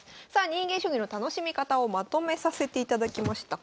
「人間将棋の楽しみ方」をまとめさせていただきました。